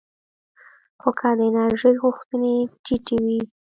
خو که د انرژۍ غوښتنې ټیټې وي